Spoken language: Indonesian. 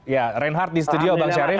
ya reinhardt di studio bang syarif